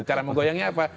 cara menggoyangnya apa